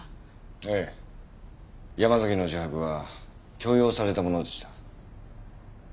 ええ山崎の自白は強要されたものでした。